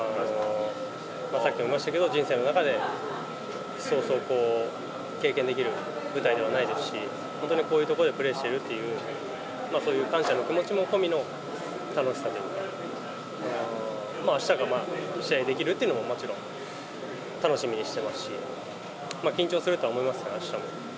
さっきも言いましたけど、人生の中で、そうそう経験できる舞台ではないですし、本当にこういう所でプレーしてるっていう、そういう感謝の気持ちも込みの楽しさというか、まあ、あしたが試合できるっていうのももちろん楽しみにしてますし、緊張するとは思いますけど、あしたも。